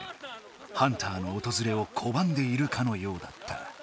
ハンターのおとずれをこばんでいるかのようだった。